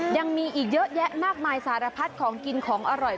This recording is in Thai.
ยังมีอีกเยอะแยะมากมายสารพัดของกินของอร่อย